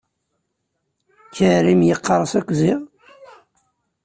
Karim yeqqers akk ziɣ.